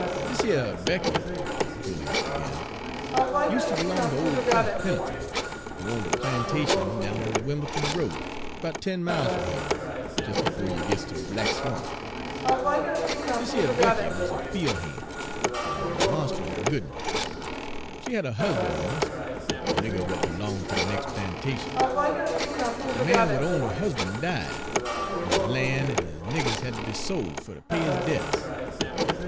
"Dis yer Becky," Julius began, "useter b'long ter ole Kunnel Pen'leton, who owned a plantation down on de Wim'l'ton Road, 'bout ten miles fum heah, des befo' you gits ter Black Swamp. Dis yer Becky wuz a fiel' han', en a monst'us good 'un. She had a husban' oncet, a nigger w'at b'longed on de nex' plantation, but de man w'at owned her husban' died, en his lan' en his niggers had ter be sol' fer ter pay his debts.